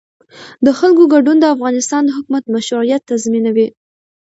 د خلکو ګډون د افغانستان د حکومت مشروعیت تضمینوي